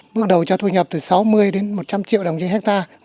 bước đầu cho thu nhập từ sáu mươi đến một trăm linh triệu đồng trên hectare